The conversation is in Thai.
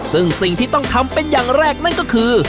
ซึ่งสิ่งที่ต้องทำเป็นอย่างแรกนั่นก็คือ